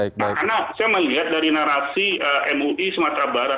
karena saya melihat dari narasi mui sumatera barat